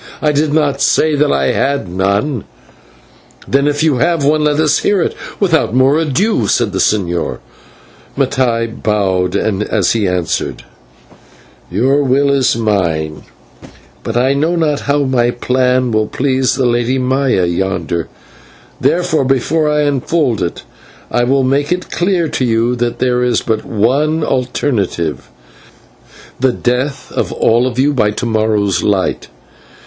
I did not say that I had none." "Then if you have one, let us hear it without more ado," said the señor. Mattai bowed, as he answered: "Your will is mine: but I know not how my plan will please the Lady Maya yonder, and therefore, before I unfold it, I will make it clear to you that there is but one alternative the death of all of you by to morrow's light.